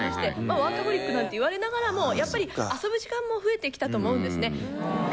ワーカホリックなんて言われながらもやっぱり遊ぶ時間も増えてきたと思うんですね。